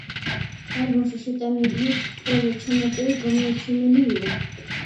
ალბომში შეტანილია ყველა ჩანაწერი გამოუცემელი იყო.